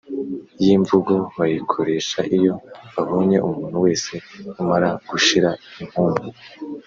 yi mvugo bayikoresha iyo babonye umuntu wese umara gushira impumu